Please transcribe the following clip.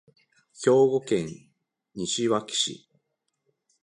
兵庫県西脇市